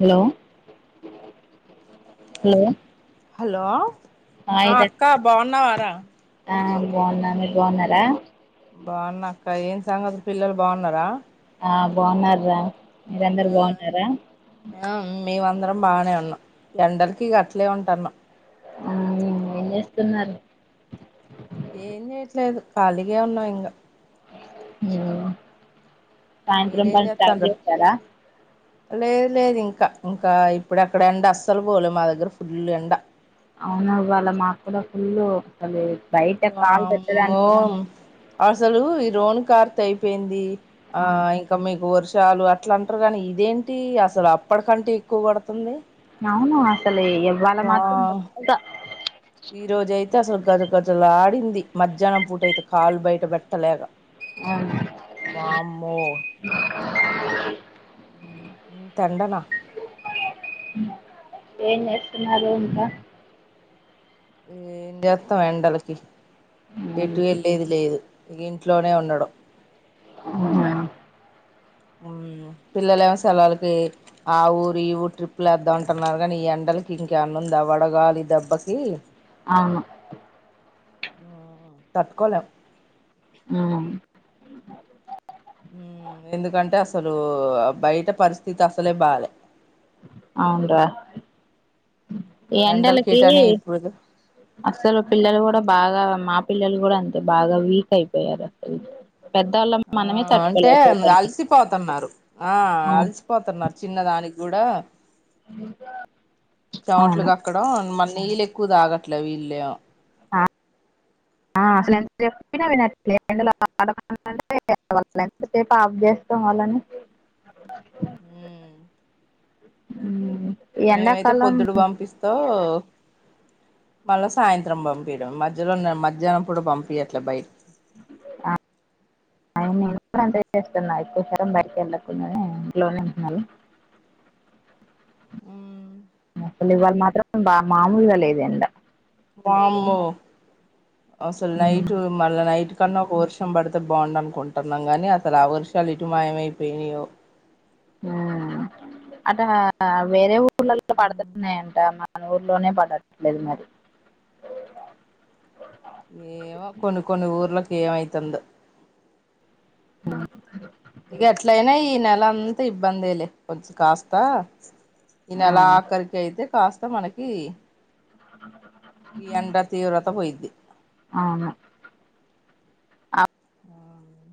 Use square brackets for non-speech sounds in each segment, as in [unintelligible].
Hello hello hello ఆ అక్క బాగున్నా వారా ఆ బాగున్న మీరు బాగున్నారా బాగున్నా అక్క ఏం సంగతుల్ పిల్లలు బాగున్నారా ఆ బాగున్నారా. మీరందరు బాగున్నారా? ఆ మేమందరం బాగానే ఉన్నా. ఎండలకి గట్లే ఉంటున్నాం. ఉమ్, ఏం జేస్తున్నారు? ఏం చేయట్లేదు. ఖాళీగా ఉన్నాం ఇంగా ఉమ్ సాయంత్రం మీరేం పని స్టార్ట్ చేత్తాండ్రు చేసారా? లేదు లేదు. ఇంకా ఇంకా ఇప్పుడు అక్కడ ఎండ అస్సలు పోలే మా దగ్గర ఫుల్ ఎండ అవునా ఇవాళ మాకు కూడా ఫుల్ అదే వామ్మో అసలు ఈ రోన్ కార్త్ అయిపోయింది. ఆ అవును ఇంకా మీకు వర్ష్ చాలు అట్లా అంటారు కానీ ఇదేంటి అసలు అప్పటికంటే ఎక్కువ పడుతుంది. అవునా అసలే ఇవాళ మాత్రం వా బాగా ఈ రోజు అయితే అసలు గజ గజలాడింది. మధ్యాహ్నం పూటయితే కాళ్ళు బయట పెట్టలేక అవును, వామ్మో ఇంత ఎండనా! ఏం చేస్తాన్నారు? ఇంకా ఏం జేత్తం ఎండలకి ఎటు ఎళ్ళేది లేదు. ఇగ ఇంట్లోనే ఉండడం ఉమెన్ ఉమ్ పిల్లలు ఏమో సెలవులకి ఆ ఊరు, ఈ ఊరు ట్రిప్ లేద్దామ అంటున్నారు. కానీ ఈ ఎండ లకి ఇంకా ఏమన్నా ఉందా? వడగాలి దెబ్బకి అవును. తట్టుకోలేం. ఉమ్ ఉమ్ ఎందుకంటే అసలు బయట పరిస్థితి అసలే బాలే. అవును రా. ఈ ఎండలకి ఎటనే ఇప్పుడు అసలు పిల్లలు కూడా బాగా మా పిల్లలు కూడా అంతే బాగా వీక్ అయిపోయారు. అసలు పెద్దవాళ్ళం మనమే ఆ అంటే తట్టుకోలేకపోతున్నాం అలసిపోతున్నారు. ఆ అవును అలసిపోతున్నారు చిన్నదానికి కూడా అవును చెమట్లుకక్కడం మన్ నీళ్ళు ఎక్కువ తాగట్లే వీళ్ళేం. ఆ అసలు ఎంత చెప్పిన వినట్లే ఎండలో అడకండి అంటే ఏ [inaudible] ఎంతసేపు ఆఫ్ జేస్తం వాళ్లని ఉమ్ ఉమ్ ఈ మేమైతే ఎండాకాలం పొద్దుడు పంపిస్తాం. మళ్ళా సాయంత్రం పంపియడం మధ్యలో ఉన్న మధ్యాహ్నం పూట పంపియట్లే బయ ఆ ఆయన నేను కూడా అంతే చేస్తున్నా ఎక్కువశాతం బయటకి వెళ్ళకుండానే ఇంట్లోనే ఉన్నది. [inaudible] ఉమ్ అసలు ఇవాళ మాత్రం బా మామూలుగా లేదు. ఎండ వామ్మో! అసలు ఉమ్, నైట్ మళ్ళ నైటు కన్నా ఒక వర్షం పడితే బాగుండు అనుకుంటున్నాం. గాని అసలు ఆ వర్షాలు ఏటు మాయమైపోయినాయో? ఉమ్ అట్ట వేరే ఊర్ల ల్ల పడుతున్నాయంట. మన ఊర్లోనే పడట్లేదు మరి ఏమో కొన్ని కొన్ని ఊర్లక్ ఏమైతుందో ఆ ఇగ అట్లైన ఈ నెల అంతా ఇబ్బందేలే కొంచెం కాస్త ఈ ఆ నెలా ఆఖరికైతే కాస్త మనకి అ ఈ ఎండ తీవ్రత పోయిద్ది. అవును ఆ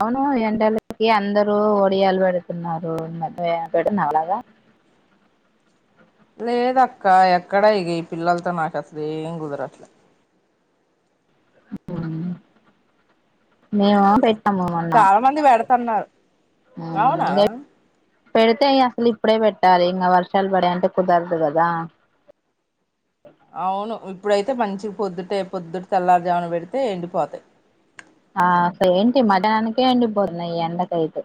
ఏమో ఎండలకి అందరూ ఒడియాలు పెడుతున్నారు. [unintelligible] అలాగా అ లేదక్క ఎక్కడ ఇగ ఈ పిల్లల్తో నాక్ అసలేం కుదరట్ల మ్ మేము పెట్టాము మొన్నా తన్నారు మ్ పెడ్తే ఇయ్యాలి. ఇప్పుడే పెట్టాలి ఇంగ వర్షాలు పడే అంటే కుదరదు కదా అవును ఇప్పుడైతే మంచి పొద్దుటే పొద్దుట్ తెల్లారుజామున పెడ్తే ఎండిపోతయి. ఆ అసలేంటి మధ్యనానికే ఎండిపోతున్నయి ఈ ఎండకైతే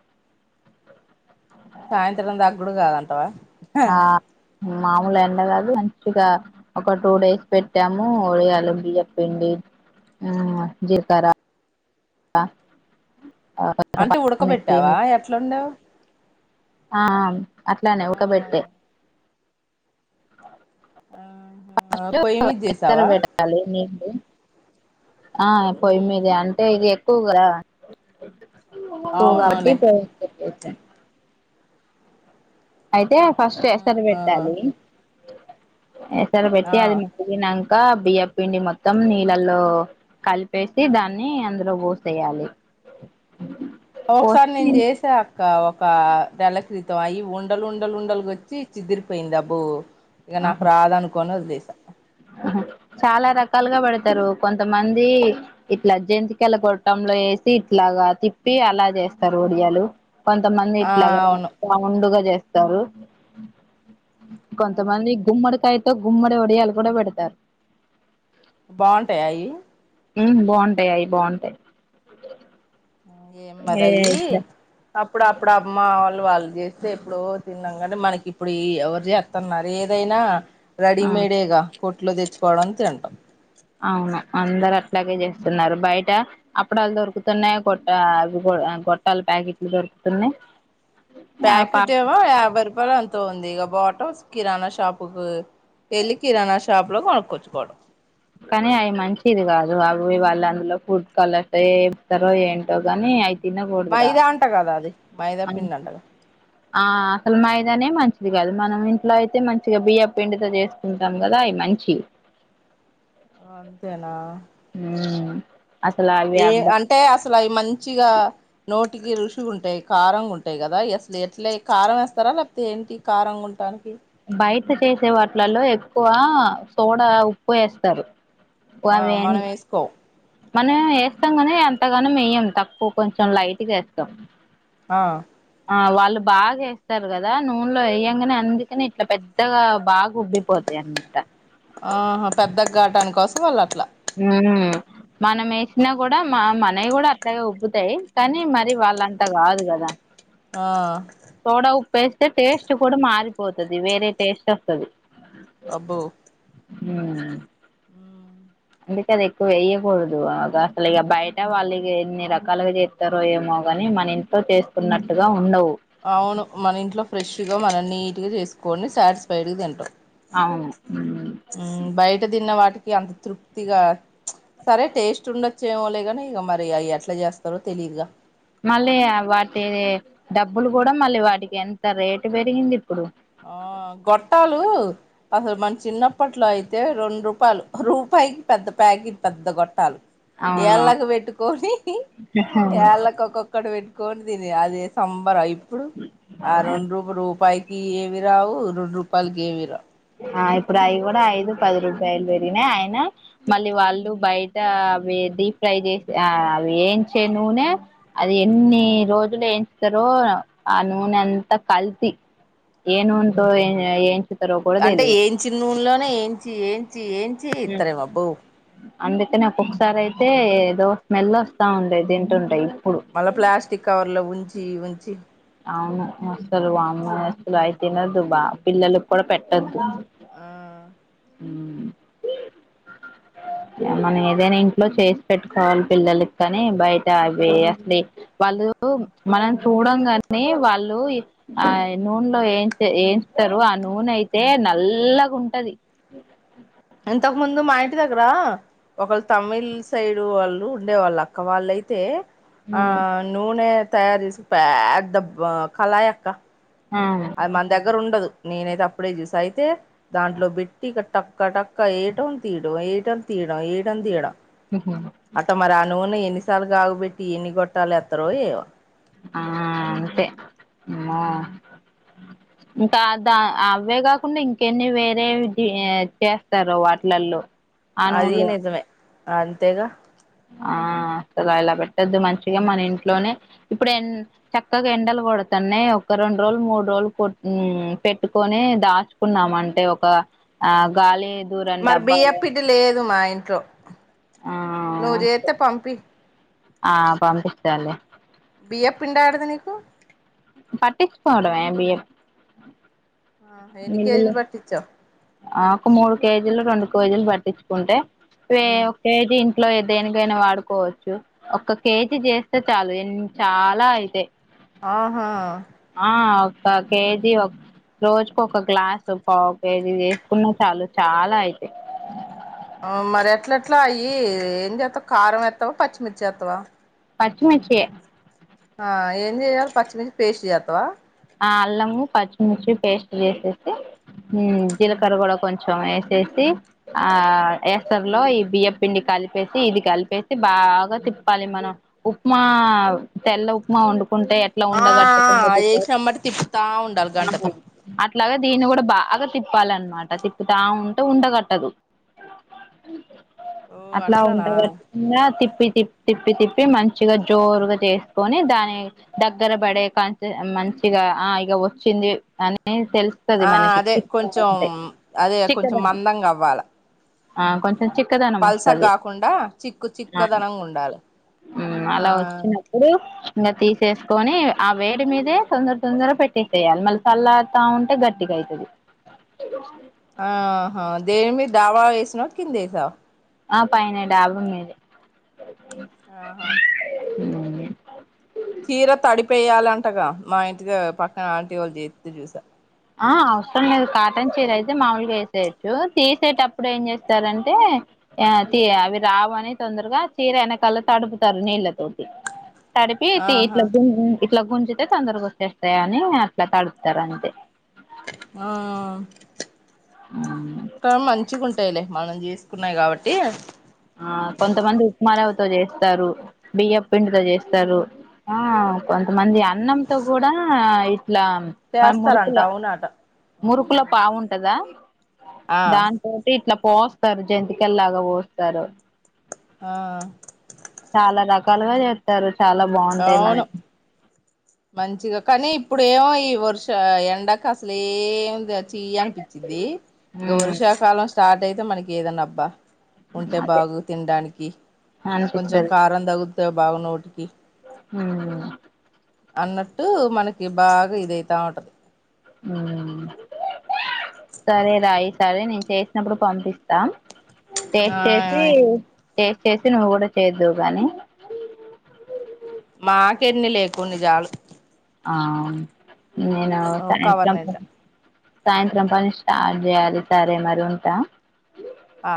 సాయంత్రం దాక్ గుడ కాదంటవ ఆ మామూల్ ఎండ కాదు మంచిగా ఒక టూ డేస్ పెట్టాము ఒడియాల బియ్యం పిండి ఆ జిల్కర అ అంటే ఉడకపెట్టావా ఎట్లొండావ్? ఆ అట్లనే ఉడక పెట్టే ఆ ఫస్ట్ పొయ్యి మీద ఎసరు చేసావా పెట్టాలి నీళ్లు ఆ పొయ్యి మీదే అంటే ఇది ఎక్కు కదా ఎక్కో కాబట్టి అవునులే పొయ్యి మీద పెట్టేసా అయితే ఫస్ట్ ఎసర్ ఆహా పెట్టాలి. ఎసర్ పెట్టి ఆ అది మరిగి నం కా బియ్యప్ పిండి మొత్తం నీళ్ళల్లో కలిపేసి దాన్ని అందులో పోసేయాలి. అ ఒకసార్ నేన్ చేసా కా ఒక నెల క్రితం అయి ఉండల్ ఉండల్ ఉండలుగొచ్చి చిదిరిపోయింది అబ్బో ఇగ నాక్ రాద్ అనుకోన్ వదిలేయ్ చాలా రకాలుగా పడ్తరు కొంతమంది ఇట్ల జంతికల గొట్టం లో ఏసి ఇట్లగా తిప్పి అలా చేస్తారు ఒడియాలు. కొంతమంది ఆ ఇట్లాగా అవును రౌండుగ చేస్తారు. కొంతమంది గుమ్మడికాయతో గుమ్మడి ఒడియాలు గుడా పెడ్తారు. బాగుంటయా అయి? మ్ బాగుంటయి అయి బాగుంటయి. ఏ మరయ్యి అప్పుడు అప్పుడు అమ్మ వాళ్ళు వాళ్ చేస్తే ఎప్పుడో తిన్నాం గని మనకిప్పుడు ఈ ఎవర్ చేస్తున్నారు ఏదైనా ఆ రెడీమేడేగా కొట్లో తెచ్చుకోవడం తింటాం. అవును అందర ట్లాగే చేస్తున్నారు. బైటా అప్పడాలు దొరుకుతున్నయి కొట్ట గొట్టాల ప్యాకెట్లు దొ తున్నయి. ప్యాకెట్ ఏమో యాభై రూపాలో ఎంతో ఉంది ఇగ బాటమ్స్ కిరాణా షాపు కు పెళ్లి కిరాణా షాప్ లో కొనుకొచ్చుక్కోవడం కానీ అయి మంచిది కాదు అవి వాళ్ళ అందులో ఫుడ్ కలర్స్ ఏం ఇత్తరో ఏంటో గని అయి తిన కూడదురా మైదా అంట కదా అది మైదా అని పిండి అంటగా ఆ అసలు మైదనే మంచిది కాదు మనం ఇంట్లో అయితే మంచిగ బియ్యం పిండితో చేసుకుంటాం కదా అయి న మంచివి అంతేనా ఉమ్ అసలు అవి ఏ అబ్బా అంటే అసలు అయి మంచిగా నోట్ టికి రుషి ఉంటయి కారంగ ఉంటాయి కదా, అసలు ఎట్లే కారం ఏస్తరా లేకపోతే ఏంటి కారంగా ఉంటానికి బయట చేసే వాటిలలో ఎక్కువ సోడా, ఉప్పు ఏస్తారు. ఆ మనం ఏసుకోమ్ మనం ఏస్తాం కానీ ఎంతగనం ఎయ్యం తక్కువ కొంచెం లైట్గా ఏస్తం ఆ ఆ వాళ్ళు బాగా ఏస్తారు కదా నూనెలో ఏయంగనే అందుకనే ఇట్ల పెద్దగా బాగా ఉబ్బిపోద్దీ అదే అనుకుంట ఆహా పెద్దగ్గాటాని కోసం వాళ్ళు అట్లా హ్మ్ మనం ఏసినా కూడా మా మనయి కూడా అట్లనే ఉబ్బుతయి, కానీ మరి వాళ్ళంతా కాదు కదా ఆ తోడా ఉప్పేస్తే టేస్ట్ కూడా మారి పోతది వేరే టేస్ట్ వస్తది ఉమ్ ఆ అందుకదే ఎక్కువ వేయకూడదు ఆ గ అసలు ఇగ బయట వాళ్ళు ఇగ ఎన్ని రకాలుగా చేస్తారో ఏమో గని నీ మన ఇంట్లో చేస్తున్నట్టుగా ఉండవు అవును మన ఇంట్లో ఫ్రెష్ గా మనం నీట్ గా చేసుకోని సాటిస్ఫైడ్ గా తింటాం. అవును ఉమ్ బయట తిన్న వాటికి అంత తృప్తిగా సరే టేస్ట్ ఉండొచ్ చేయములేగనీ ఇగ మరి అయి ఎట్లా చేస్తారో తెలియదుగ మళ్ళీ వాటి డబ్బులు కూడా మళ్ళీ వాటికి ఎంత రేటు పెరిగింది ఇప్పుడు ఆ గొట్టాలు అసలు మన చిన్నప్పట్లో అయితే రెండు రూపాయలు, రూపా పైకి పెద్ద ప్యాగి పెద్ద గొట్టాలు అవును ఏళ్ళకు పెట్టుకొని యాళ్ళకు ఒక్కక్కటి పెట్ తోటి తిరీయా అది సంబరం ఇప్పుడు ఆ రెండు రూ రూపాయి కి ఏమీరావు రెండు రూపాయలకి ఏమీరావు ఆ ఇప్పుడు అయి కూడా ఐదు పది రూపాయలు పెరిగినై ఆయన మళ్ళీ వాళ్ళు బయట అవి డీ ఫ్రై చేసి ఆ వేయించే నూనె అది ఎన్ని రోజులు ఏయించుతరో ఆ నూనె అంత కల్తీ ఏ నూనె తో ఏ ఎంచుతరో అంటే ఏంచిన ఊన్లోనే ఏంచి ఏంచి ఏంచి ఇత్తరేమో అబ్బో అందుకని ఒక్కొక్కసారైతే ఏదో స్మెల్ వస్తా ఉండే తింటుంటే ఇప్పుడు మల్ల ప్లాస్టిక్ కవర్లో ఉంచి ఉంచి అవును అసలు వామ్మో అసలు అయి తినద్దు బా పిల్లలకు కూడా పెట్టద్దు ఆ ఉమ్ మనం ఏదైనా ఇంట్లో చేసి పెట్టుకోవాలి పిల్లలకి కాని బయట అవి అసలి వాళ్ళు మనం చూడం కన్ నే వాళ్ళు ఆ నూండ్లో ఏ ఏంచూతారు ఆ నూనె అయితే నల్ల గుంటది ఇంతక ముందు మా ఇంటి దగ్గరా ఒకళ్ళు తమిళ్ సైడ్ వాళ్ళు ఉండేవాళ్ళు అక్క వాళ్ళైతే ఆ నూనె తయార్ జేసే పెద్ద కలాయక్క ఆ అది మన దగ్గర ఉండదు నేనైతే అప్పుడే జూసా అయితే దాంట్లో బెట్టి ఇక టక్క టక్క ఏయటం తీయడం ఏయటం తీయడం ఏయటం తీయడం అట్ట మరి అనూనే ఎన్నిసార్లు గాగబెట్టి ఎన్ని గొట్టాలే త్తరో ఏమొ ఆ అంతే అమ్మొ ఇంకా ద అవే గాకుండా ఇంకెన్ని వేరే ది చేస్తారు వాట్లల్లో అదీ నిజమే అంతేగా ఆ ఇలా పెట్టొద్దు మంచిగా మన ఇంట్లోనే ఇప్పుడు ఎన్ చక్కగా ఎండలు కొడతన్నాయ్ ఒక రెండ్రోజులు మూడు రోజులు కొట్ పెట్టుకొని దాచుకున్నాం అంటే ఒక ఆ గాలి దూరం మరి బియ్య డబ్బాలో పిండిలేదు మా ఇంట్లో ఆ నువ్వు జేత్తే పంపి ఆ పంపిత్తాలే బియ్యపిండి యాడిది నీకు పట్టిచ్చు కోవడమే బియ్యం ఆ ఎన్ని కేజీలు బట్టిచ్చావ్ ఆ ఒక మూడు కేజీలు రెండు కేజీలు బట్టిచ్చుకుంటే ఉమ్ ఒక కేజీ ఇట్లో ఏ దేనికైనా వాడుకోవచ్చు ఒక్క కేజీ జేస్తే చాలు ఎన్ చాలా అయ్ తే ఆహా పావ్ కేజీ ఒక్ రోజుకొక గ్లాసు పావ్ కేజీ వీళ్ళు జేసుకున్నా చాలు చాలా అయితే ఆవ్ మరి ఎట్లెట్ల అయ్యీ ఏం జేత్తావ్ కారం ఎత్తవా పచ్చిమిర్చి ఏత్తవా పచ్చిమిర్చి ఏ ఆ ఏం జేయాలి పచ్చిమిర్చి ఫేస్టు జేత్తవా ఊరికే పేస్ట్ జేసేసి ఉ జీలకర్ర గూడా కొంచెం ఏసేసి ఆ ఏసర్లో ఈ బియ్య పిండి కలిపేసి ఇది కలిపేసి బాగా తిప్పాలి మనం ఉప్మా తెల్ల ఉప్మా వొండు కుంటే ఎట్లా ఉండగట్టుకుండ దిప్పే కాబట్టి తిప్పుతా ఉండల్ల గంటతో అట్లాగే దీన్ని గూడా బాగా తిప్పాలన్నమాట తిప్పుతా ఉంటే ఉండగట్టదు ఓ అట్లా ఉండ అట్లనా గట్టు కున్యా తిప్పి తిప్పి తిప్పి మంచిగా జోరు గా చేసుకొని దాన్ని దగ్గర బడే కాంచి మం మంచిగా ఆ ఇగ వచ్చింది అని అని తెలుస్తది ఆ మనకి అదే తిప్పతా కొంచెం వుంటే అదే కొంచెం చిక్కదనం ఆ కొం పల్సగ్గాకుండా చిక్కు చిక్కదనంగా ఉండాలె ఉ అలా వచ్చినప్పుడు ఇంగ తీసేసుకొని ఆ వేడి మీదే కొంచెం తొందరగా పెట్టేసేయాలి మళ్ళ సల్లార్తా ఉంటే గట్టిగైతది ఆహా దేని మీద దావా వేసినావ కింద ఏసావ ఆ పైనే డాబా మీదే ఆహా ఊ చీర తడిపేయాలంటగా మా ఇంటిగా పక్కన ఆంటీ వాళ్ళు చేత్ చూసా ఆ అవసరం లేదు కాటన్ చీర అయితే మాముూలుగా వేసేయొచ్చు తీసేటప్పుడు ఏం చేస్తారంటే ఆ తీ అవి రావుని తొందరగా చీర వెనకల్లో తడుపుతారు నీళ్ళతోటి తడిపి ఆహా ఇట్లా గు ఇట్లా గుంజితే తొందరగా వచ్చేస్తాయ అని అట్లా తడుపుతరు అంతే ఆ క మంచిగుంటయిలే మనం చేసుకున్నయి కాబట్టి ఆ కొంతమంది ఉప్మారవ్యతో చేస్తారు బియ్యం పిండితో చేస్తారు ఆ కొంతమంది అన్నంతో కూడా ఇట్లా మరి చేస్తారంట మురుకులో అవునట మురుకులో పావుంటందా ఆ దాంతోటి ఇట్లా పోస్తారు జంతికలలాగా పోస్తారు ఆ చాలా రకాలుగా చేస్తారు చాలా బావుంటాయి అని అవును మంచిగా కానీ ఇప్పుడు ఏమో ఈ వర్ష ఎండాక అసలు ఎందచ్ తీయ అనిపించింది ఇక వర్షాకాలం స్టార్ట్ అయితే మనకి ఏదన్నా అబ్బా ఉంటే అదే బాగు తినడానికి కొంచెం అనిపిస్తది కారం తగుతే బాగు నోటికి ఉమ్ అన్నట్టు మనకి బాగా ఇదయితా ఉంటది ఉమ్ సరే రయి సరే నేను చేసినప్పుడు పంపిస్తాం ఆ టేస్ట్ చేసి టేస్ట్ చేసి నువ్వు కూడా చేద్దువు గానీ మాకెన్నిలే కొన్ని చాలు ఆ నేను ఒక కవర్ సాయంత్రం నిండా సాయంత్రం పని స్టార్ట్ చేయాలి సరే మరి ఉంటా ఆ